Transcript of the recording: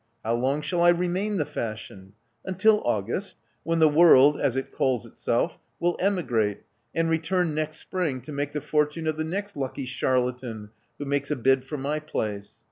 How long shall I remain the fashion? Until August, when the world — as it calls itself — will emigrate, and return next spring to make the fortune of the next lucky charlatan who makes a bid for my place.